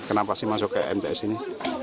kenapa sih masuk ke mts ini